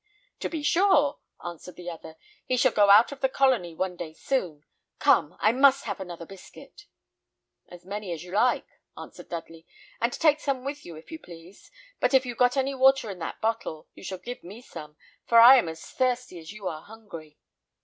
"To be sure," answered the other. "He shall go out of the colony one day soon. Come, I must have another biscuit." "As many as you like," answered Dudley, "and take some with you, if you please; but if you've got any water in that bottle, you shall give me some, for I am as thirsty as you are hungry."